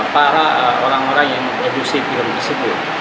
para orang orang yang mengedukasi film tersebut